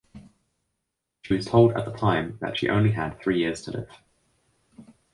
She was told at that time that she only had three years to live.